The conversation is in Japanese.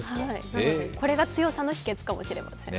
これが強さの秘訣かもしれません。